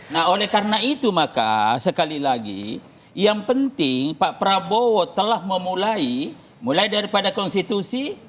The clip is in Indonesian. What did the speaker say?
nah oleh karena itu maka sekali lagi yang penting pak prabowo telah memulai mulai daripada konstitusi